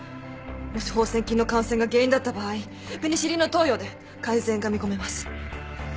もし放線菌の感染が原因だった場合ペニシリンの投与で改善が見込めます。